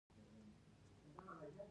افغانستان د کلیو په برخه کې شهرت لري.